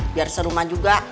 biar serumah juga